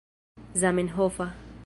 zamenhofa